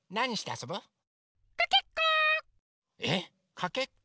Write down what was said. かけっこ？